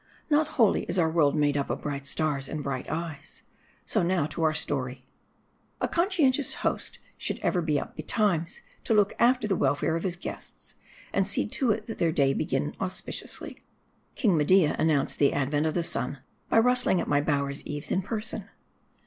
NOT wholly is our world made up of bright stars and bright eyes : so now to our story. A conscientious host should ever be up betimes, to look after the welfare of his guests, and see to it that their day begin auspiciously. King Media announced the advent of the sun, by rustling at my bower's eaves in per son.